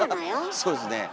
そうですね。